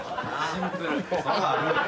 ・シンプル。